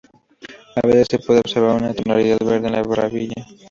A veces se puede observar una tonalidad verde en la rabadilla.